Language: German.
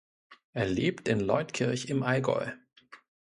Er lebt in Leutkirch im Allgäu.